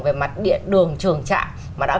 về mặt điện đường trường trạng mà đã